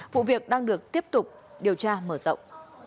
vụ việc đang được tiếp tục điều tra mở rộng